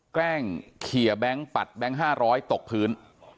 แกล้งเขียแบงค์ปัดแบงค์๕๐๐ตกพื้น